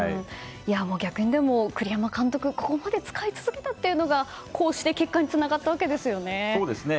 逆に栗山監督ここまで使い続けたというのがこうして結果につながったわけですよね。